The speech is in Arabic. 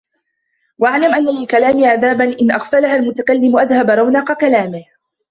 وَاعْلَمْ أَنَّ لِلْكَلَامِ آدَابًا إنْ أَغْفَلَهَا الْمُتَكَلِّمُ أَذْهَبَ رَوْنَقَ كَلَامِهِ